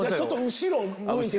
後ろ向いて。